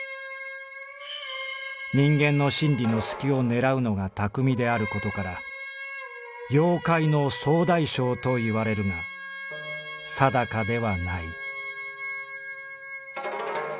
「人間の心理の隙を狙うのが巧みであることから妖怪の総大将といわれるが定かではない」。